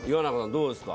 どうですか？